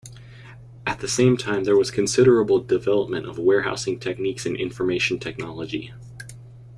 At the same time there was considerable development of warehousing techniques and information technology.